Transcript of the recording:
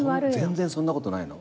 全然そんなことないの。